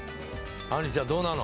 あんりちゃんどうなの？